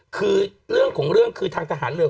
คือเรื่องของเรื่องคือทางทหารเรือ